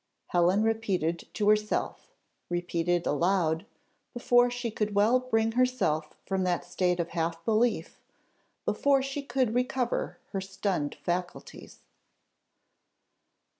Helen repeated to herself, repeated aloud, before she could well bring herself from that state of half belief, before she could recover her stunned faculties.